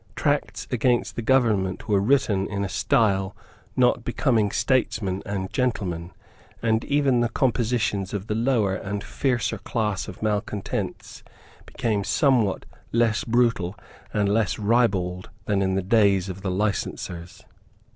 Tracts against the government were written in a style not misbecoming statesmen and gentlemen; and even the compositions of the lower and fiercer class of malecontents became somewhat less brutal and less ribald than in the days of the licensers.